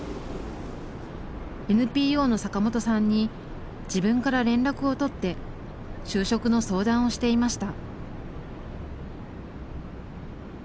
ＮＰＯの坂本さんに自分から連絡を取って就職の相談をしていました。